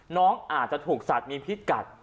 น้องอาจจะถูกสัตว์มีพิษกัด